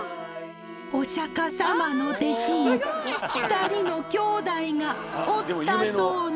お釈様の弟子に２人の兄弟がおったそうな。